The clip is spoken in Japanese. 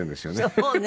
そうね。